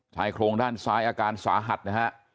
ชายโครงด้านซ้ายอาการสาหัสนะฮะ